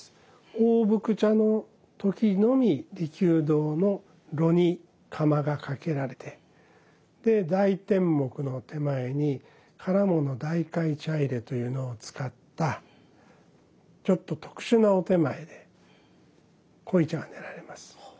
大福茶の時のみ利休堂の炉に釜がかけられてで台天目の点前に唐物大海茶入というのを使ったちょっと特殊なお点前で濃茶が練られます。